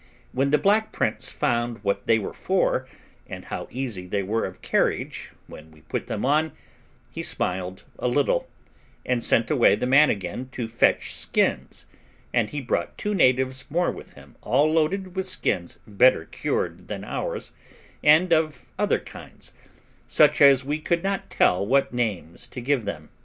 When the black prince found what they were for, and how easy they were of carriage when we put them on, he smiled a little, and sent away the man again to fetch skins, and he brought two natives more with him, all loaded with skins better cured than ours, and of other kinds, such as we could not tell what names to give them.